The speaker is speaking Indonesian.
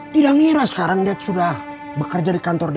tidak nyerah sekarang teh sudah bekerja di kantor desa